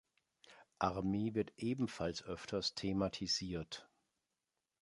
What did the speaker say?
Armee wird ebenfalls öfters thematisiert.